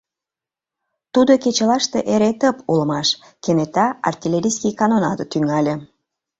Тудо кечылаште эре тып улмаш, кенета артиллерийский канонаде тӱҥале.